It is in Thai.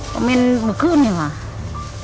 เข้าเน่นเมื่อครึ่งอย่างนี้ค่ะ